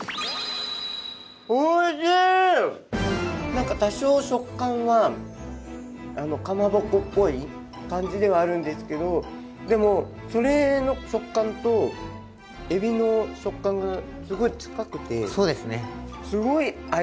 何か多少食感はかまぼこっぽい感じではあるんですけどでもそれの食感とエビの食感がすごい近くてすごい合いますね。